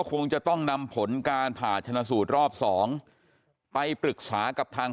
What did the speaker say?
คงจะต้องนำผลการผ่าชนะสูตรรอบสองไปปรึกษากับทาง